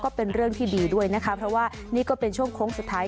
ก็เป็นเรื่องที่ดีด้วยนะคะเพราะว่านี่ก็เป็นช่วงโค้งสุดท้าย